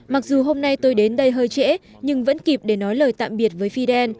mặc dù hôm nay tôi đến đây hơi trễ nhưng vẫn kịp để nói lời tạm biệt với fidel